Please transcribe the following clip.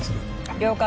了解